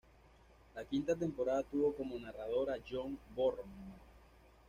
La quinta temporada tuvo como narrador a John Barrowman.